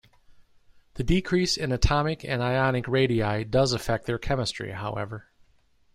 The decrease in atomic and ionic radii does affect their chemistry, however.